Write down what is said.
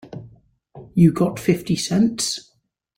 You got fifty cents?